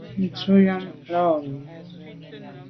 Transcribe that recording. Nu à tu àm la mi.